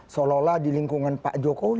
seolah olah dilingkup dengan pak sb dan pak prabowo